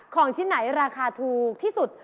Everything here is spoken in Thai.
ของชิ้นไหนราคาถูกที่สุด